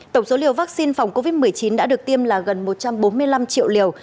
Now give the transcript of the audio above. tổng số liều vaccine phòng covid một mươi chín đã được tiêm là gần một trăm bốn mươi năm triệu liều